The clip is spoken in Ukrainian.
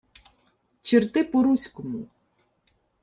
— Черти по-руському.